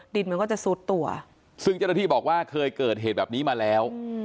ดินมันก็จะซุดตัวซึ่งเจ้าหน้าที่บอกว่าเคยเกิดเหตุแบบนี้มาแล้ว